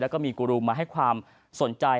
แล้วก็มีกูรูมาให้ความสนใจ